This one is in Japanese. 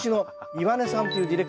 岩根さん